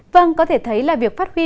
vâng có thể thấy là việc phát huy